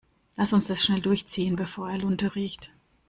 Lass uns das schnell durchziehen, bevor er Lunte riecht.